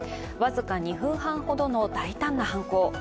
僅か２分半ほどの大胆な犯行。